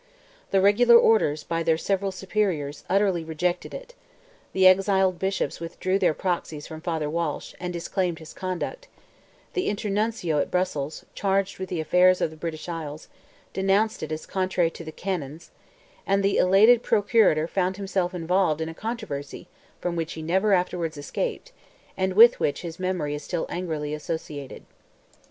The regular orders, by their several superiors, utterly rejected it; the exiled bishops withdrew their proxies from Father Walsh, and disclaimed his conduct; the Internuncio at Brussels, charged with the affairs of the British Isles, denounced it as contrary to the canons; and the elated Procurator found himself involved in a controversy from which he never afterwards escaped, and with which his memory is still angrily associated.